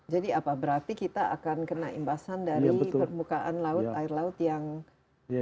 jadi apa berarti kita akan kena imbasan dari permukaan air laut yang